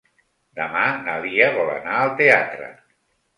Demà na Lia vol anar al teatre.